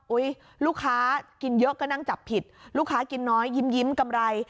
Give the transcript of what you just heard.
ลูกค้ากินเยอะก็นั่งจับผิดลูกค้ากินน้อยยิ้มกำไร